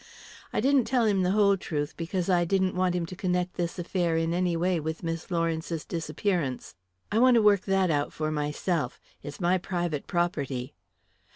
I didn't tell him the whole truth, because I didn't want him to connect this affair in any way with Miss Lawrence's disappearance. I want to work that out for myself it's my private property."